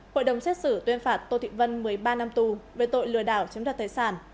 hội đồng xét xử tuyên phạt tô thị vân một mươi ba năm tù về tội lừa đảo chiếm đoạt tài sản